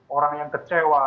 orang yang kecewa